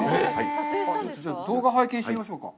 ちょっと、じゃあ、動画を拝見してみましょうか。